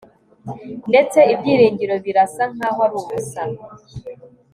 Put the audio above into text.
ndetse ibyiringiro birasa nkaho ari ubusa